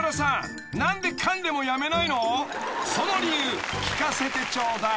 ［その理由聞かせてちょうだい］